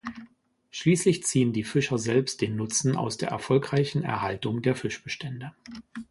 Schließlich ziehen die Fischer selbst den Nutzen aus der erfolgreichen Erhaltung der Fischbestände.